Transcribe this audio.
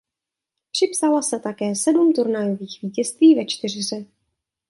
Připsala se také sedm turnajových vítězství ve čtyřhře.